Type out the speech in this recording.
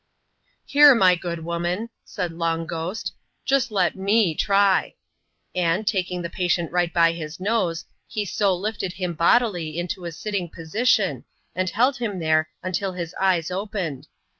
^Here, my good woman/' said Ixmg Ghost, ^jaat let me try;" and, taking the patient right by his nose, he so lifted kim bodily, into a sitting position, and hcdd him there until his eyes <^ened.